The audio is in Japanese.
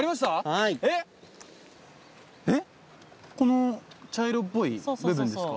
はいえっこの茶色っぽい部分ですか？